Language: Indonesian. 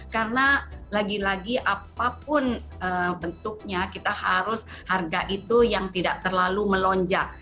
karena lagi lagi apapun bentuknya kita harus harga itu yang tidak terlalu melonjak